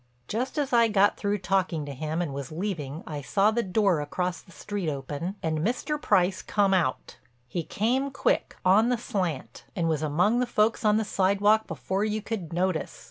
Just as I got through talking to him and was leaving I saw the door across the street open, and Mr. Price come out. He came quick, on the slant, and was among the folks on the sidewalk before you could notice.